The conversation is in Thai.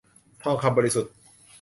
ทองคำบริสุทธิ์